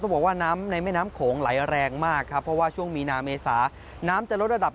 ต้องบอกว่าน้ำในแม่น้ำโขงไหลแรงมากครับ